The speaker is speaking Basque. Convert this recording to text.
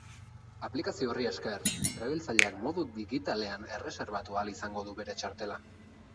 Aplikazio horri esker, erabiltzaileak modu digitalean erreserbatu ahal izango du bere txartela.